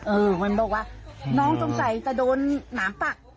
เออมันบอกว่าน้องคงใส่แต่โดนน้ำปัก